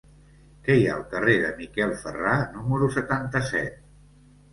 Què hi ha al carrer de Miquel Ferrà número setanta-set?